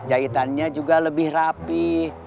jahitannya juga lebih rapih